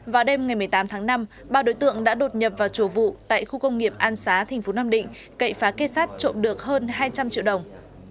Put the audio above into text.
vào đêm ngày một mươi tám tháng năm ba đối tượng đã đột nhập vào chùa vụ tại khu công nghiệp an xá tp nam định cậy phá kết sát trộm được hơn hai trăm linh triệu đồng